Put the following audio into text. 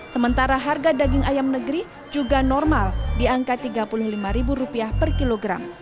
sementara harga daging ayam negeri juga normal di angka rp tiga puluh lima per kilogram